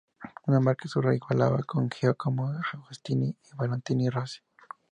Una marca solo igualada por Giacomo Agostini y Valentino Rossi.